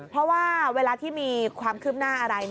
เพราะว่าเวลาที่มีความคืบหน้าอะไร